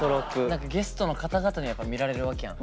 何かゲストの方々にやっぱ見られるわけやん。